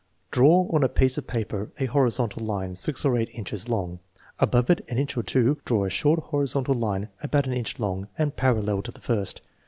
Draw on a piece of paper a horizontal line six or eight inches long. Above it, an inch or two, draw a short horizontal line about an inch long and parallel to the first.